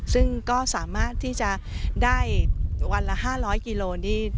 ซึ่งก็สามารถที่จะได้วันละ๕๐๐กิโลนี่